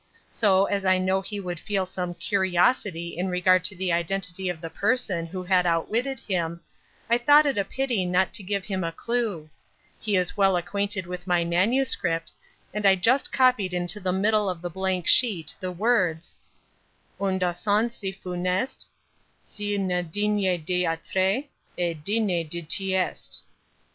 So, as I knew he would feel some curiosity in regard to the identity of the person who had outwitted him, I thought it a pity not to give him a clue. He is well acquainted with my MS., and I just copied into the middle of the blank sheet the words— "'—— Un dessein si funeste, S'il n'est digne d'Atrée, est digne de Thyeste.